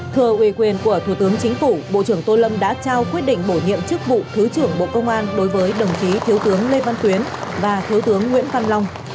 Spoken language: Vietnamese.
thưa uy quyền của thủ tướng chính phủ bộ trưởng tô lâm đã trao quyết định bổ nhiệm chức vụ thứ trưởng bộ công an đối với đồng chí thiếu tướng lê văn tuyến và thiếu tướng nguyễn văn long